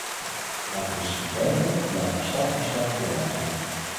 Laten we ze gebruiken en laten we stap voor stap voorwaarts gaan.